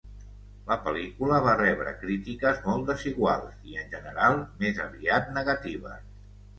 La pel·lícula va rebre crítiques molt desiguals, i en general més aviat negatives.